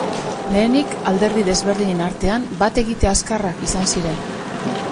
Lehenik, alderdi desberdinen artean bat egite azkarrak izan ziren.